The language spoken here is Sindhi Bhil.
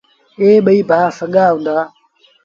ائيٚݩ ٻئيٚ سڳآ ڀآ هُݩدآ۔